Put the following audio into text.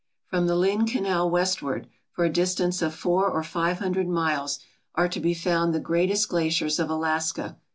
From the Lynn Canal westward, for a distance of four or five hundred miles, are to be found the greatest glaciers of Alaska.